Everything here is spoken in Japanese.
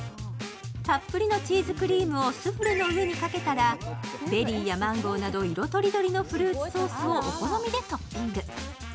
たっぷりのチーズクリームをスフレの上にかけたらベリーやマンゴーなど色とりどりのフルーツソースをお好みでトッピング。